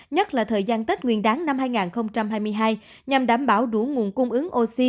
nhất là thời gian tết nguyên đáng năm hai nghìn hai mươi hai nhằm đảm bảo đủ nguồn cung ứng oxy